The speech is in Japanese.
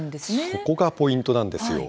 そこがポイントなんですよ。